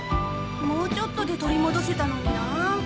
もうちょっとで取り戻せたのになあ。